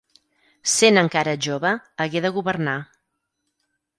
Sent encara jove, hagué de governar.